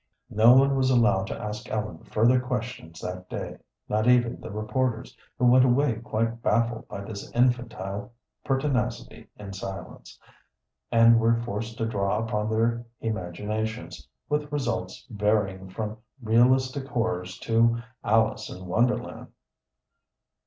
No one was allowed to ask Ellen further questions that day, not even the reporters, who went away quite baffled by this infantile pertinacity in silence, and were forced to draw upon their imaginations, with results varying from realistic horrors to Alice in Wonderland.